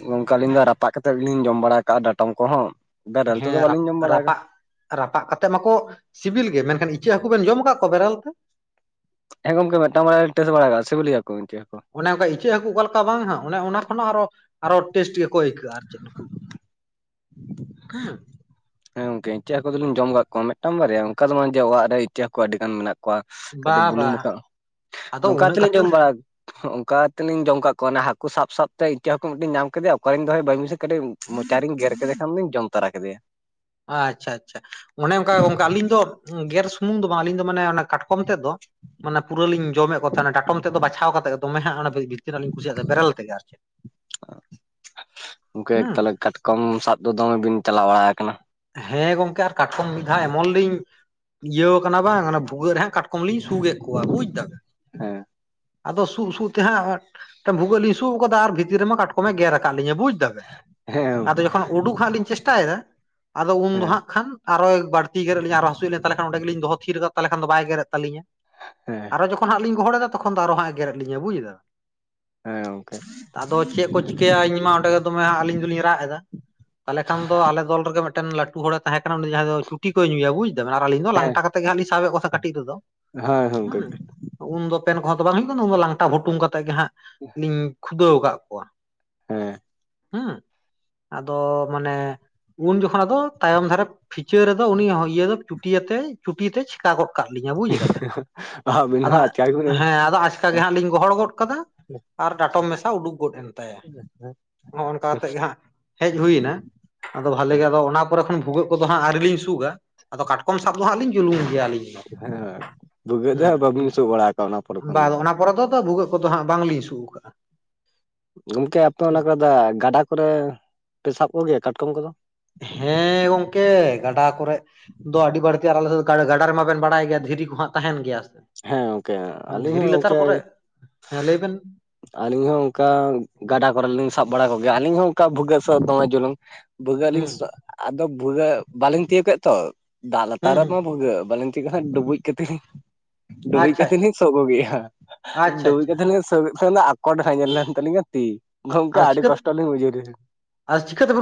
ᱜᱚᱝᱠᱮ ᱟᱹᱞᱤᱧ ᱫᱚ ᱨᱟᱯᱟᱜ ᱠᱟᱛᱮᱫ ᱜᱮᱞᱤᱧ ᱡᱚᱢ ᱵᱟᱲᱟ ᱟᱠᱟᱜᱼᱟ ᱰᱟᱴᱚᱢ ᱠᱚᱦᱚᱸ ᱵᱮᱨᱮᱞ ᱛᱮᱫᱚ ᱦᱮᱸ ᱵᱟᱹᱞᱤᱧ ᱡᱚᱢ ᱵᱟᱲᱟ ᱠᱟᱜ-ᱟ ᱾ ᱨᱟᱯᱟᱜ ᱨᱟᱯᱟᱜ ᱠᱟᱛᱮᱫ ᱢᱟᱠᱚ ᱥᱤᱵᱤᱞ ᱜᱮ, ᱢᱮᱱᱠᱷᱟᱱ ᱤᱪᱟᱹᱜ ᱦᱟᱹᱠᱩ ᱵᱮᱱ ᱡᱚᱢ ᱟᱠᱟᱫ ᱠᱚᱣᱟ ᱵᱮᱨᱮᱞ ᱛᱮ? ᱦᱮᱸ ᱜᱚᱢᱠᱮ ᱢᱤᱫᱴᱟᱝ ᱵᱟᱨᱮᱭᱟ ᱞᱤᱧ ᱴᱮᱥᱴ ᱵᱟᱲᱟ ᱠᱟᱜ-ᱟ ᱥᱤᱵᱤᱞ ᱜᱮᱭᱟᱠᱚ ᱤᱪᱟᱹᱜ ᱦᱟᱹᱠᱩ ᱾ ᱚᱱᱮ ᱚᱱᱠᱟ ᱤᱪᱟᱹᱜ ᱦᱟᱹᱠᱩ ᱚᱠᱟ ᱞᱮᱠᱟ ᱵᱟᱝ ᱦᱟᱸᱜ ᱚᱱᱮ ᱚᱱᱟ ᱠᱷᱚᱱᱟᱜ ᱟᱨᱚ ᱟᱨᱚ ᱴᱮᱥᱴ ᱠᱚ ᱟᱹᱭᱠᱟᱹᱜᱼᱟ ᱟᱨ ᱪᱮᱫ ᱱᱩᱠᱩ ᱫᱚ, ᱦᱮᱸ ᱾ ᱦᱮᱸ ᱜᱚᱝᱠᱮ ᱤᱪᱟᱹᱜ ᱦᱟᱹᱠᱩ ᱫᱚᱞᱤᱧ ᱡᱚᱢ ᱠᱟᱜ ᱠᱚᱣᱟ ᱢᱤᱫᱴᱟᱝ ᱵᱟᱨᱮᱭᱟ ᱚᱱᱠᱟ ᱫᱚ ᱵᱟᱝ ᱡᱮ ᱚᱲᱟᱜ ᱨᱮ ᱤᱪᱟᱹᱜ ᱦᱟᱠᱩ ᱟᱹᱰᱤ ᱜᱟᱱ ᱢᱮᱱᱟᱜ ᱠᱚᱣᱟ ᱠᱚᱣᱟ ᱵᱟ ᱠᱟᱹᱴᱤᱡ ᱵᱟ ᱵᱩᱞᱩᱝ [unintelligible] ᱟᱫᱚ ᱱᱚᱝᱠᱟ ᱩᱱᱟᱹᱜ ᱦᱟᱞᱤᱧ ᱠᱟᱛᱮᱫ ᱡᱚᱢ ᱵᱟᱲᱟ ᱚᱱᱠᱟ ᱛᱮᱞᱤᱧ ᱡᱚᱢ ᱠᱟᱜ ᱠᱚᱣᱟ ᱚᱱᱮ ᱦᱟᱹᱠᱩ ᱥᱟᱵ ᱥᱟᱵᱛᱮ ᱤᱪᱟᱹᱜ ᱦᱟᱹᱠᱩ ᱢᱤᱫᱴᱤᱝ ᱧᱟᱢ ᱠᱮᱫᱮᱭᱟ ᱚᱠᱟᱨᱮᱧ ᱫᱚᱦᱚᱭ ᱵᱟᱹᱧ ᱵᱩᱡᱷᱟ ᱠᱟᱹᱴᱤᱡ ᱢᱚᱪᱟ ᱨᱤᱧ ᱜᱮᱨ ᱠᱮᱫᱮ ᱠᱷᱟᱱ ᱫᱚᱧ ᱡᱚᱢ ᱛᱟᱨᱟ ᱠᱮᱫᱮᱭᱟ ᱾ ᱟᱪᱪᱷᱟ ᱟᱪᱪᱷᱟ, ᱚᱱᱮ ᱚᱱᱠᱟ ᱜᱟᱢᱠᱮ ᱟᱹᱞᱤᱧ ᱫᱚ ᱜᱮᱨ ᱥᱩᱢᱩᱝ ᱫᱚ ᱵᱟᱝ ᱟᱹᱞᱤᱧ ᱫᱚ ᱢᱟᱱᱮ ᱚᱱᱟ ᱠᱟᱴᱠᱚᱢ ᱛᱮᱫ ᱫᱚ ᱢᱟᱱᱮ ᱯᱩᱨᱟᱹ ᱞᱤᱧ ᱡᱚᱢᱮᱫ ᱠᱚ ᱛᱟᱦᱮᱸᱱᱟ ᱰᱟᱴᱚᱢ ᱛᱮᱫ ᱫᱚ ᱵᱟᱪᱷᱟᱣ ᱠᱟᱛᱮᱫ ᱫᱚᱢᱮ ᱦᱟᱸᱜ ᱚᱱᱮ [unintelligible] ᱛᱤᱱᱟᱹ ᱞᱤᱧ ᱠᱩᱥᱤᱭᱟᱜᱼᱟ ᱵᱮᱨᱮᱞ ᱛᱮᱜᱮ ᱟᱨ ᱪᱮᱫ, ᱜᱚᱝᱠᱮ ᱦᱩᱸ ᱛᱟᱦᱚᱞᱮ ᱾ ᱠᱟᱴᱠᱚᱢ ᱥᱟᱵ ᱫᱚ ᱫᱚᱢᱮ ᱵᱤᱱ ᱪᱟᱞᱟᱣ ᱵᱟᱲᱟ ᱟᱠᱟᱱᱟ ᱾ ᱦᱮᱸ ᱜᱚᱝᱠᱮ ᱟᱨ ᱠᱟᱴᱠᱚᱢ ᱢᱤᱫ ᱫᱷᱟᱣ ᱮᱢᱚᱱ ᱞᱤᱧ ᱤᱭᱟᱹᱣ ᱠᱟᱱᱟ ᱵᱟᱝ ᱚᱱᱟ ᱵᱷᱩᱜᱟᱹᱜ ᱨᱮᱦᱟᱸᱜ ᱠᱟᱴᱠᱚᱢ ᱞᱤᱧ ᱥᱩᱜᱮᱫ ᱠᱚᱣᱟ ᱵᱩᱡ ᱫᱟᱵᱮᱱ, ᱦᱮᱸ ᱟᱫᱚ ᱥᱩᱜ ᱥᱩᱜ ᱛᱮ ᱦᱟᱸᱜ ᱢᱤᱫᱴᱟᱝ ᱵᱷᱩᱜᱟᱹᱜ ᱞᱤᱧ ᱥᱩᱜ ᱟᱠᱟᱫᱟ ᱟᱨ ᱵᱷᱤᱛᱤᱨ ᱨᱮᱢᱟ ᱠᱟᱴᱠᱚᱢᱮ ᱜᱮᱨ ᱟᱠᱟᱫ ᱞᱤᱧᱟ ᱵᱩᱡ ᱫᱟ ᱦᱮᱸ ᱜᱚᱝᱠᱮ ᱟᱫᱚ ᱡᱚᱠᱷᱚᱱ ᱩᱰᱩᱠ ᱦᱟᱸᱜ ᱞᱤᱧ ᱪᱮᱥᱴᱟᱭᱮᱫᱟ ᱟᱫᱚ ᱩᱱᱫᱚ ᱦᱮᱸ ᱦᱟᱸᱜ ᱠᱷᱟᱱ ᱟᱨᱚᱭ ᱵᱟᱹᱲᱛᱤ ᱜᱮᱨᱮᱫ ᱞᱤᱧ ᱟᱨᱚ ᱦᱟᱹᱥᱩᱭᱮᱫ ᱞᱤᱧᱟ ᱛᱟᱦᱚᱞᱮ ᱠᱷᱟᱱ ᱚᱸᱰᱮᱜᱤᱞᱤᱧ ᱫᱚᱦᱚ ᱛᱷᱤᱨ ᱫᱟᱜ ᱛᱟᱦᱞᱮ ᱠᱷᱟᱱ ᱫᱚ ᱵᱟᱭ ᱜᱮᱨᱮᱫ ᱛᱟᱞᱤᱧᱟ ᱾ [inaudible] ᱦᱮᱸ ᱾ ᱟᱨᱚ ᱡᱚᱠᱷᱚᱱᱟᱜ ᱞᱤᱧ ᱜᱚᱦᱚᱲᱮᱫᱟ ᱛᱚᱠᱷᱚᱱ ᱫᱚ ᱟᱨᱚ ᱦᱟᱸ ᱮ ᱜᱮᱨᱮᱫ ᱞᱤᱧᱟ ᱵᱩᱡ ᱮᱫᱟ ᱾ ᱦᱮᱸ ᱜᱚᱢᱠᱮ ᱾ ᱟᱫᱚ ᱪᱮᱫ ᱠᱚ ᱪᱤᱠᱟᱹᱭᱟ ᱤᱧ ᱢᱟ ᱚᱸᱰᱮ ᱜᱮ ᱫᱚᱢᱮ ᱦᱟᱸᱜ ᱟᱹᱞᱤᱧ ᱫᱚᱞᱤᱧ ᱨᱟᱜ ᱮᱫᱟ ᱛᱟᱦᱚᱞᱮ ᱠᱷᱟᱱ ᱫᱚ ᱟᱞᱮ ᱫᱚᱞ ᱨᱮᱜᱮ ᱢᱤᱫᱴᱟᱝ ᱢᱤᱫᱴᱟᱝ ᱞᱟᱹᱴᱩ ᱦᱚᱲᱮ ᱛᱟᱦᱮᱸ ᱠᱟᱱᱟ ᱩᱱᱤ ᱫᱚ ᱡᱟᱦᱟᱸᱭ ᱫᱚ ᱪᱩᱴᱤ ᱠᱚᱭ ᱧᱩᱭᱟ ᱵᱩᱡᱽ ᱟᱨ ᱟᱹᱞᱤᱧ ᱫᱚ ᱦᱮᱸ ᱞᱟᱝᱴᱟ ᱠᱟᱛᱮᱜ ᱜᱮ ᱦᱟᱸᱜ ᱞᱤᱧ ᱥᱟᱵᱮᱫ ᱠᱚᱣᱟ ᱥᱮ ᱠᱟᱹᱴᱤᱡ ᱨᱮᱫᱚ ᱦᱳᱭ ᱜᱚᱝᱠᱮ ᱦᱩᱸ, ᱩᱱᱫᱚ ᱯᱮᱱ ᱠᱚᱦᱚᱸ ᱫᱚ ᱵᱟᱝ ᱦᱩᱭᱩᱜ ᱠᱟᱱᱟ ᱩᱱ ᱫᱚ ᱞᱟᱝᱴᱟ ᱵᱷᱩᱴᱩᱝ ᱠᱟᱛᱮᱜ ᱜᱮ ᱦᱟᱸᱜ ᱞᱤᱧ ᱠᱷᱩᱫᱟᱹᱣ ᱟᱠᱟᱫ ᱠᱚᱣᱟ ᱾ ᱦᱮᱸ ᱾ ᱦᱢ ᱟᱫᱚ ᱢᱟᱱᱮ ᱩᱱ ᱡᱚᱠᱷ ᱛᱚᱠᱷᱚᱱ ᱟᱫᱚ ᱛᱟᱭᱚᱢ ᱫᱷᱟᱨᱮ ᱯᱷᱤᱪᱟᱹ ᱨᱮᱫᱚ ᱩᱱᱤ ᱤᱭᱟᱹ ᱫᱚ ᱪᱩᱴᱤ ᱟᱛᱮ ᱪᱷᱩᱴᱤ ᱛᱮ ᱪᱮᱠᱟ ᱜᱚᱫ ᱠᱟᱜ ᱞᱤᱧᱟ ᱵᱩᱡ ᱮᱫᱟ ᱵᱮᱱ ᱟᱹᱵᱤᱱ ᱟᱫᱚ ᱦᱚᱸ ᱟᱪᱠᱟ ᱜᱮᱵᱤᱱ ᱦᱮᱸ ᱟᱫᱚ ᱟ ᱟᱪᱠᱟ ᱜᱮ ᱦᱟᱸᱜ ᱞᱤᱧ ᱜᱚᱦᱚᱲ ᱜᱚᱫ ᱠᱟᱫᱟ ᱟᱨ ᱰᱟᱴᱚᱢ ᱢᱮᱥᱟ ᱩᱰᱩᱠ ᱜᱚᱫ ᱮᱱ ᱛᱟᱭᱟ ᱱᱚᱜᱼᱚ ᱱᱚᱝᱠᱟ ᱠᱟᱛᱮᱫ ᱜᱮ ᱦᱟᱸᱜ ᱦᱮᱡ ᱦᱩᱭ ᱮᱱᱟ, ᱟᱫᱚ ᱵᱷᱟᱞᱤ ᱜᱮ ᱦᱮᱸ ᱟᱫᱚ ᱚᱱᱟ ᱯᱚᱨᱮ ᱠᱷᱚᱱ ᱵᱷᱩᱜᱟᱹᱜ ᱠᱚᱫᱚ ᱦᱟᱸᱜ ᱟᱹᱣᱨᱤ ᱞᱤᱧ ᱥᱩᱜᱟ ᱟᱫᱚ ᱠᱟᱴᱠᱚᱢ ᱥᱟᱵ ᱫᱚ ᱦᱟᱸᱜ ᱞᱤᱧ ᱡᱩᱞᱩᱢ ᱜᱮᱭᱟ ᱟᱹᱞᱤᱧ ᱫᱚ ᱾ ᱵᱷᱩᱜᱟᱹᱜ ᱫᱚ ᱦᱟᱸᱜ ᱵᱟᱵᱤᱱ ᱥᱩᱜ ᱵᱟᱲᱟ ᱟᱠᱣᱟᱼᱟ ᱚᱱᱟ ᱯᱚᱨᱮ ᱦᱩᱸ ᱠᱷᱚᱱ ᱾ ᱵᱟ ᱚᱱᱟ ᱯᱚᱨᱮ ᱫᱚ ᱵᱷᱩᱜᱟᱹᱜ ᱠᱚᱫᱚ ᱦᱟᱸᱜ ᱵᱟᱝᱞᱤᱧ ᱥᱩᱜ ᱟᱠᱟᱫᱼᱟ ᱾ ᱜᱚᱝᱠᱮ ᱟᱯᱮ ᱚᱱᱟ ᱠᱚᱨᱮ ᱜᱟᱰᱟ ᱠᱚᱨᱮ ᱯᱮ ᱥᱟᱵ ᱠᱚᱜᱮᱭᱟ ᱠᱟᱴᱠᱚᱢ ᱠᱚᱫᱚ? ᱦᱮᱸ ᱜᱚᱝᱠᱮ ᱜᱟᱰᱟ ᱠᱚᱨᱮ ᱫᱚ ᱟᱹᱰᱤ ᱵᱟᱹᱲᱛᱤ ᱟᱨ ᱟᱞᱮ ᱫᱚ ᱜᱟᱰᱟ ᱨᱮᱢᱟᱵᱮᱱ ᱵᱟᱲᱟᱭ ᱜᱮᱭᱟ ᱫᱷᱤᱨᱤ ᱠᱚ ᱦᱟᱸᱜ ᱛᱟᱦᱮᱱ ᱜᱮᱭᱟ ᱥᱮ ᱾ ᱦᱮᱸ ᱜᱚᱝᱠᱮ ᱟᱹᱞᱤᱧ ᱦᱚᱸ ᱚᱱᱠᱮᱭ ᱦᱮᱸ ᱞᱟᱹᱭ ᱵᱮᱱ ᱟᱹᱞᱤᱧ ᱦᱚᱸ ᱚᱱᱠᱟ ᱜᱟᱰᱟ ᱠᱚᱨᱮ ᱞᱤᱧ ᱥᱟᱵ ᱵᱟᱲᱟ ᱠᱚᱜᱮᱭᱟ ᱟᱹᱞᱤᱧ ᱦᱚᱸ ᱚᱱᱠᱟ ᱵᱷᱩᱜᱟᱹᱜ ᱥᱟᱵ ᱫᱚᱢᱮ ᱡᱩᱞᱩᱝ ᱾ ᱵᱷᱩᱜᱟᱹᱜ ᱟᱹᱞᱤᱧ ᱦᱩᱸ ᱟᱫᱚ ᱵᱷᱩᱜᱟᱹᱜ ᱵᱟᱞᱤᱧ ᱛᱤᱭᱳ ᱠᱮᱫ ᱛᱚ ᱫᱟᱜ ᱞᱟᱛᱟᱨ ᱦᱩᱸ ᱦᱩᱸ ᱨᱮᱢᱟ ᱵᱷᱩᱜᱟᱹᱜ ᱵᱟᱞᱤᱧᱼᱼ [inaudible] ᱰᱩᱵᱩᱡ ᱠᱟᱛᱮ ᱜᱤᱧ ᱰᱩᱵᱡ ᱟᱪᱪᱷᱟ ᱠᱟᱛᱮ ᱟᱪᱪᱷᱟ ᱞᱤᱧ ᱥᱚᱜ ᱠᱚᱜᱮ ᱭᱟ᱾ ᱟᱪᱪᱷᱟ ᱰᱩᱵᱩᱡ ᱟᱪᱪᱷᱟ ᱠᱟᱛᱮ ᱥᱩᱜᱮᱫ ᱠᱚ ᱟᱠᱚᱴᱮᱱ ᱛᱟᱞᱤᱧᱟ ᱛᱤᱼᱼ ᱜᱚᱝᱠᱮ ᱟᱰᱤ ᱠᱚᱥᱴᱚ ᱞᱤᱧ ᱵᱩᱡᱩᱨ ᱮᱱᱟ᱾ ᱟᱨ ᱪᱤᱠᱟᱹᱛᱮᱵᱤᱱ